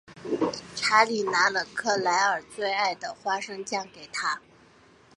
查理拿了克莱尔最爱的花生酱给她。